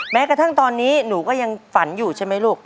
แม้กระทั่งตอนนี้หนูก็ยังฝันอยู่ใช่ไหมลูก